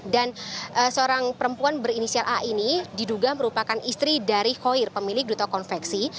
dan seorang perempuan berinisial a ini diduga merupakan istri dari hoyer pemilik duto konveksi